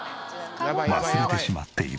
忘れてしまっている。